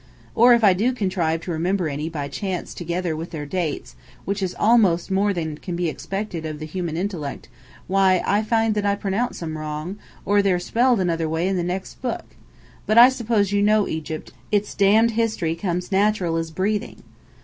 Or if I do contrive to remember any, by chance, together with their dates, which is almost more than can be expected of the human intellect, why, I find that I pronounce 'em wrong; or they're spelled another way in the next book. But I suppose as you know Egypt, its d d history comes natural as breathing."